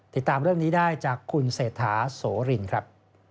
ติดตามเรื่องนี้ได้จากคุณเศรษฐาโสรินครับ